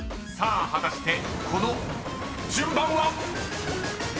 ［果たしてこの順番は⁉］